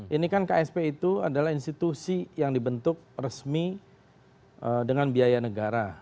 ini kan ksp itu adalah institusi yang dibentuk resmi dengan biaya negara